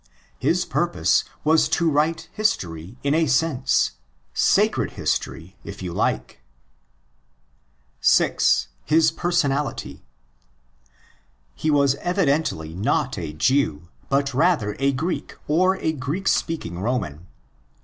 His purpose was to write history in a sense—"' sacred history," if you like. 6.—His PEeRsonatiry. He was evidently not a Jew, but rather a Greek or 8 Greek speaking Roman.